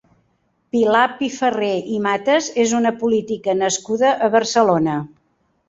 Pilar Pifarré i Matas és una política nascuda a Barcelona.